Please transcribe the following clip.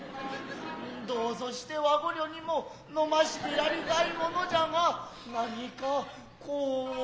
どうぞして和御寮にも呑ませてやり度いものぢゃが何かコウッと。